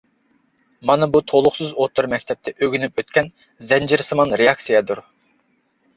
مانا بۇ تولۇقسىز ئوتتۇرا مەكتەپتە ئۆگىنىپ ئۆتكەن زەنجىرسىمان رېئاكسىيەدۇر.